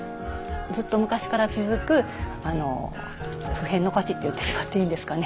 ずっと昔から続く不変の価値って言ってしまっていいんですかね。